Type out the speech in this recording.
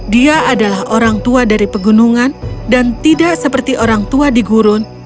dia adalah orang tua dari pegunungan dan tidak seperti orang tua di gurun